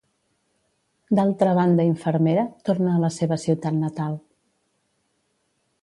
D'altra banda infermera, torna a la seva ciutat natal.